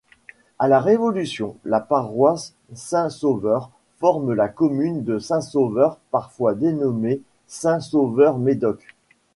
À la Révolution, la paroisse Saint-Sauveur forme la commune de Saint-Sauveur, parfois dénommée Saint-Sauveur-Médoc.